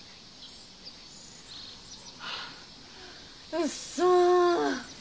うっそー。